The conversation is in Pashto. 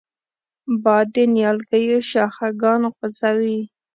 باد د نیالګیو شاخهګان خوځوي